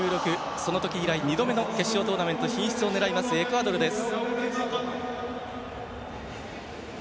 その時以来２度目の決勝トーナメント進出を狙いますエクアドルです。